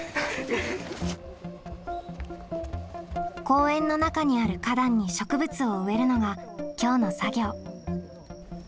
公園の中にある花壇に植物を植えるのが今日の作業。